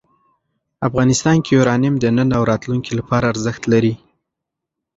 افغانستان کې یورانیم د نن او راتلونکي لپاره ارزښت لري.